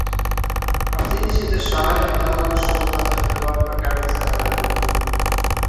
راځئ چي د شاعر دا شوخه تجربه په ګډه سره ولولو